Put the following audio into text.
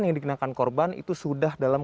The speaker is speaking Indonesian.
yang dikenakan korban itu sudah dalam